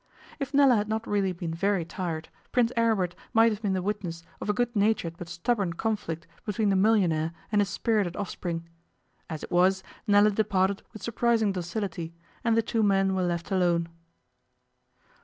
If Nella had not really been very tired Prince Aribert might have been the witness of a good natured but stubborn conflict between the millionaire and his spirited offspring. As it was, Nella departed with surprising docility, and the two men were left alone.